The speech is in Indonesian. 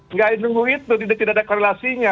enggak itu tidak ada korelasinya